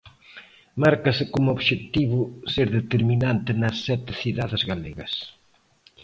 Márcase como obxectivo ser determinante nas sete cidades galegas.